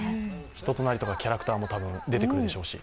人となりとかキャラクターも多分出てくるでしょうし。